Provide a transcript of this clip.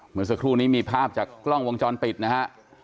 เมื่อสักครู่นี้มีภาพจากกล้องวงจรปิดนะฮะ